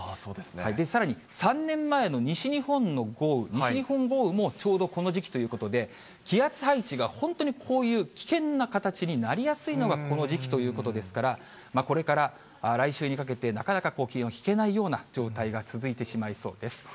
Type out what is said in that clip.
さらに、３年前の西日本の豪雨、西日本豪雨もちょうどこの時期ということで、気圧配置が本当にこういう危険な形になりやすいのがこの時期ということですから、これから来週にかけて、なかなか気を引けないような状態が続いてしまいそうです。